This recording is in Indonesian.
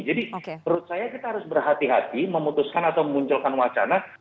jadi menurut saya kita harus berhati hati memutuskan atau memunculkan wacana